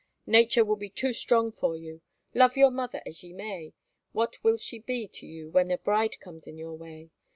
Nature will be too strong for you. Love your mother as ye may, what will she be to you when a bride comes in your way?